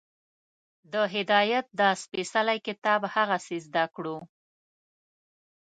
د هدایت دا سپېڅلی کتاب هغسې زده کړو